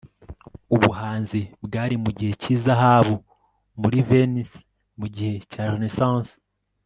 ubuhanzi bwari mugihe cyizahabu muri venise mugihe cya renaissance